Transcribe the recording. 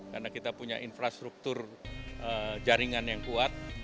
karena kita punya infrastruktur jaringan yang kuat